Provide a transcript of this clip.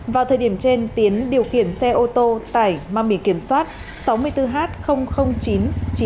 vào thời điểm trên tiến điều khiển xe ô tô tải mang biển kiểm soát sáu mươi bốn h chín trăm chín mươi